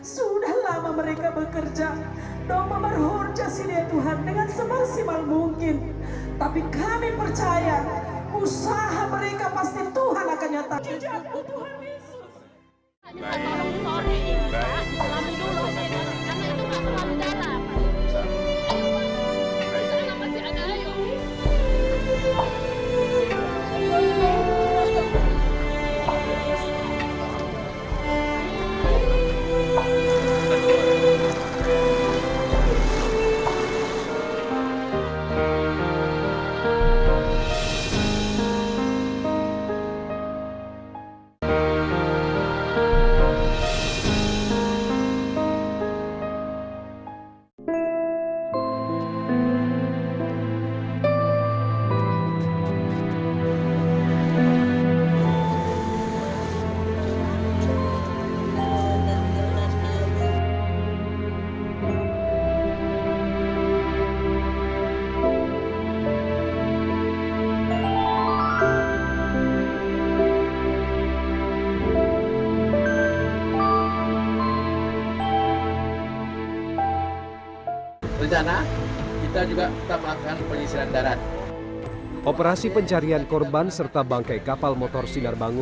sudah lama mereka bekerja